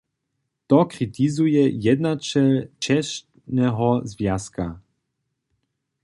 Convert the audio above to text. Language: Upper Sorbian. To kritizuje jednaćel třěšneho zwjazka.